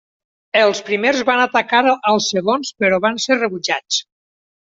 Els primers van atacar als segons però van ser rebutjats.